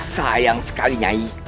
sayang sekali nyai